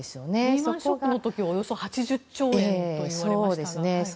リーマン・ショックの時およそ８０兆円といわれましたが。